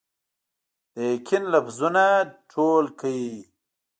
د یقین لفظونه ټول کړئ